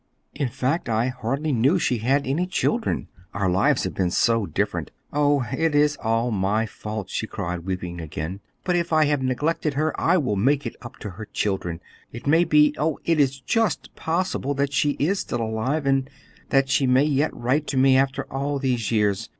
In fact, I hardly knew she had any children, our lives have been so different. Oh, it is all my fault," she cried, weeping again. "But if I have neglected her, I will make it up to her children! It may be, oh, it is just possible that she is still alive, and that she may yet write to me after all these years!